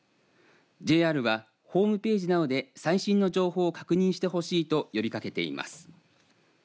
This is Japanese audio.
ＪＲはホームページなどで最新の情報を確認してほしいと呼びかけています。